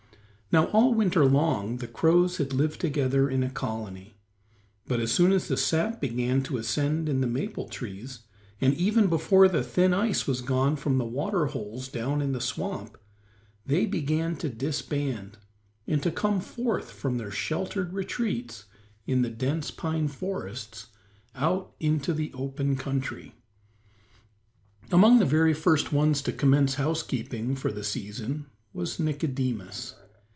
Now all winter long the crows had lived together in a colony, but as soon as the sap began to ascend in the maple trees, and even before the thin ice was gone from the water holes down in the swamp, they began to disband and to come forth from their sheltered retreats in the dense pine forests out into the open country. Among the very first ones to commence housekeeping for the season was Nicodemus.